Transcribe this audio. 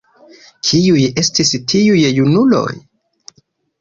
Kiuj estis tiuj junuloj?